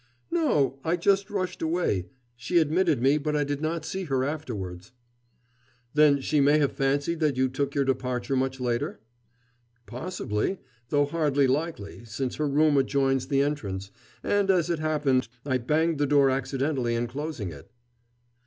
"No. I just rushed away. She admitted me, but I did not see her afterwards." "Then she may have fancied that you took your departure much later?" "Possibly, though hardly likely, since her room adjoins the entrance, and, as it happened, I banged the door accidentally in closing it."